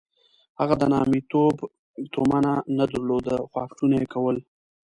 هغه د نامیتوب تومنه نه درلوده خو اکټونه یې کول.